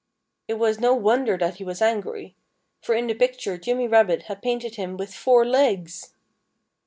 It was no wonder that he was angry. For in the picture Jimmy Rabbit had painted him with four legs!